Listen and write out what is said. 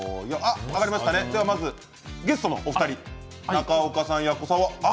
ゲストのお二人中岡さん、奴さんは青。